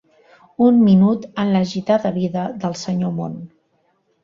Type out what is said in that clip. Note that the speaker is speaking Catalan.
Un minut en l'agitada vida del senyor món.